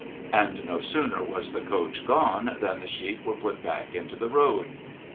And no sooner was the coach gone than the sheep were put back into the road.